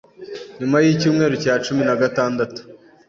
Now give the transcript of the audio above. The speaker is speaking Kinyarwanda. Nyuma y’icyumweru cya cumi na gatandatu